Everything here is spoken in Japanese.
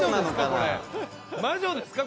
これ魔女ですか？